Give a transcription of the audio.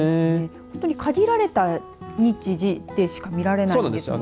本当に限られた日時でしか見られないんですよね。